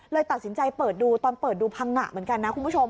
ตัดสินใจเปิดดูตอนเปิดดูพังงะเหมือนกันนะคุณผู้ชม